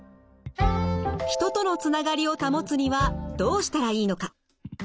人とのつながりを保つにはどうしたらいいのか？